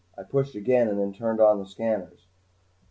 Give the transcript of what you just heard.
I pushed again and then turned on the scanners.